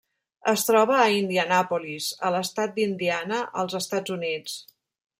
Es troba a Indianapolis, a l'estat d'Indiana, als Estats Units.